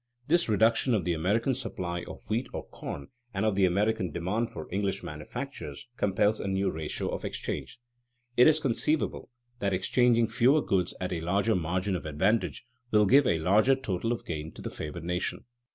This reduction of the American supply of wheat or corn and of the American demand for English manufactures compels a new ratio of exchange. It is conceivable that exchanging fewer goods at a larger margin of advantage, will give a larger total of gain to the favored nation.